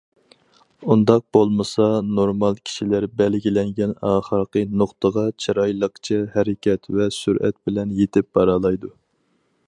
ئۇنداق بولمىسا، نورمال كىشىلەر بەلگىلەنگەن ئاخىرقى نۇقتىغا چىرايلىقچە ھەرىكەت ۋە سۈرئەت بىلەن يېتىپ بارالايدۇ.